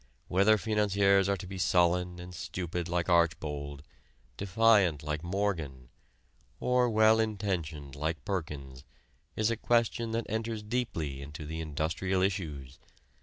Whether financiers are to be sullen and stupid like Archbold, defiant like Morgan, or well intentioned like Perkins is a question that enters deeply into the industrial issues.